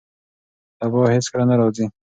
سبا هیڅکله نه راځي.